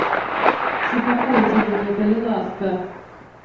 Супакойце мяне, калі ласка!